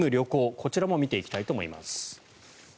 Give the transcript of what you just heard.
こちらも見ていきたいと思います。